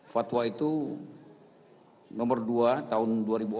fatwa itu nomor dua tahun dua ribu empat